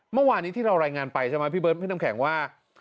เมื่อวานนี้ที่เรารายงานไปใช่ไหมพี่เบิร์ดพี่น้ำแข็งว่า